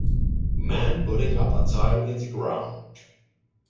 Man putting up a tile in the ground